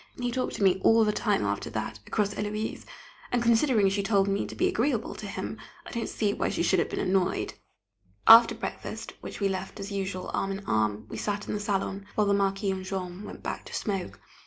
He talked to me all the time after that, across Héloise, and considering she told me to be agreeable to him, I don't see why she should have been annoyed. After breakfast which we left as usual arm in arm we sat in the salon, while the Marquis and Jean went back to smoke.